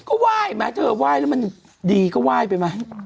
ก็ว่ายไหมเธอว่ายแล้วมันดีก็ว่ายไปไหม